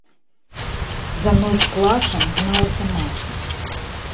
За мною з плачам гналася маці.